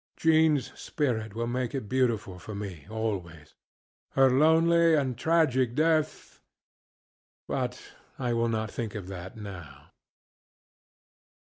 JeanŌĆÖs spirit will make it beautiful for me always. Her lonely and tragic deathŌĆöbut I will not think of that now.